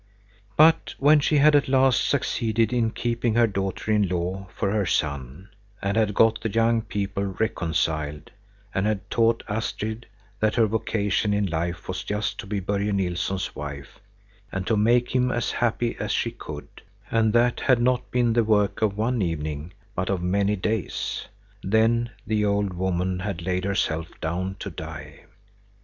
But when she had at last succeeded in keeping her daughter in law for her son, and had got the young people reconciled, and had taught Astrid that her vocation in life was just to be Börje Nilsson's wife and to make him as happy as she could,—and that had not been the work of one evening, but of many days,—then the old woman had laid herself down to die.